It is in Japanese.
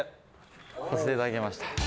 させていただきました。